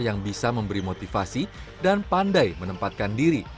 yang bisa memberi motivasi dan pandai menempatkan diri